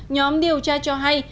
nhóm điều tra cho hay